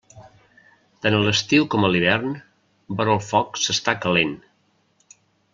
Tant a l'estiu com a l'hivern, vora del foc s'està calent.